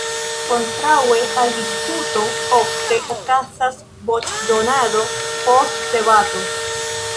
Kontraŭe al diskuto ofte okazas voĉdonado post debato.